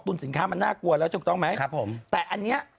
สินค้ามันน่ากลัวแล้วถูกต้องไหมครับผมแต่อันเนี้ย